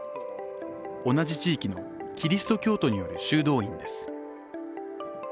同じ地域のキリスト教徒による修道院です。